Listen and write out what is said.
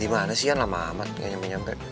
di mana sih yang lama amat nggak sampai nyampe